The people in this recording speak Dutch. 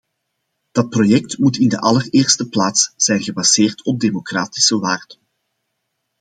Dat project moet in de allereerste plaats zijn gebaseerd op democratische waarden.